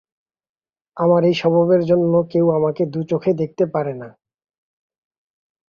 আমার এই স্বভাবের জন্য কেউ আমাকে দুচেখে দেখতে পারে না।